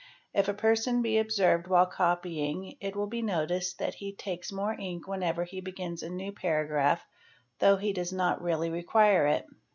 If a person be observec while copying it will be noticed that he takes more ink whenever hi begins a new paragraph though he does not really require it.